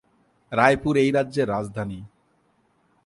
রায়পুর এই রাজ্যের রাজধানী।